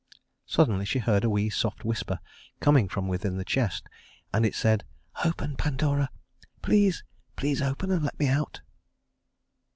Suddenly she heard a wee soft whisper coming from within the chest, and it said: "Open, Pandora, please, please open and let me out."